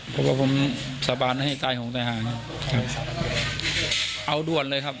เพราะว่าผมสาบานให้ตายของทหารครับเอาด่วนเลยครับ